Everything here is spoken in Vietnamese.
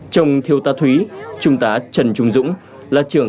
trong thiếu tá thúy trung tá trần trung dũng là trưởng